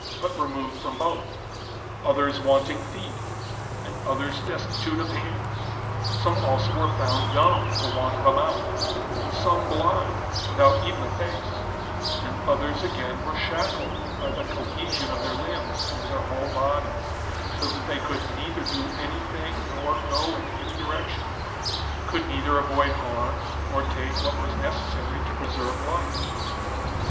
but removed from both ; others wanting feet, and others des titute of hands ; some also were found dumb for want of a mouth, and some blind without even a face ; and others again were shackled by the cohesion of their limbs over their whole bodies, so that they could neither do any thing, nor go in any direction ; could neither avoid harm, nor take what was ne cessary to preserve life.